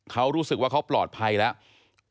เขารู้สึกว่าเขาปลอดภัยแล้ว